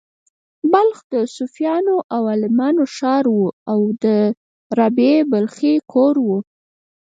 بلخ د صوفیانو او عالمانو ښار و او د رابعې بلخۍ کور و